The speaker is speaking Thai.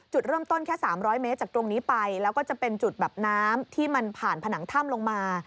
จุดเริ่มต้นแค่๓๐๐เมตรจากตรงนี้ไปแล้วก็จะเป็นจุดแบบน้ำที่มันผ่านผนังถ้ำลงมา